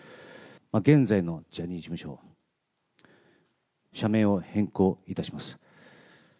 現在のジャニーズ事務所、社名を変更いたします。